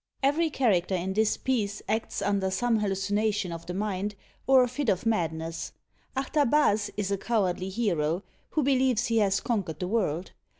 Every character in this piece acts under some hallucination of the mind, or a fit of madness. Artabaze is a cowardly hero, who believes he has conquered the world.